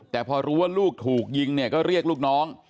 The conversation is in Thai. แต่พอรู้ว่าลูกถูกยิงเนี่ยก็เรียกลูกน้อง